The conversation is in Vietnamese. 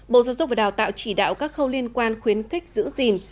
bộ giáo dục và đào tạo chỉ đạo các khâu liên quan khuyến khích giữ gìn